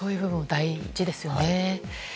大事ですよね。